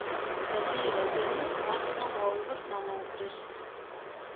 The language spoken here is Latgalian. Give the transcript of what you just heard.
Bez Dīva zinis mots nu golvys nanūkriss.